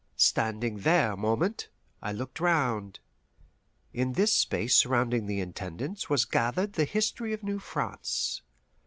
Standing there a moment, I looked round. In this space surrounding the Intendance was gathered the history of New France.